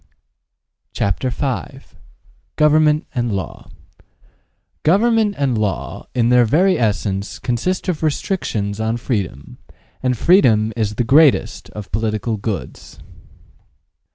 CHAPTER V GOVERNMENT AND LAW GOVERNMENT and Law, in their very essence, consist of restrictions on freedom, and freedom is the greatest of political goods.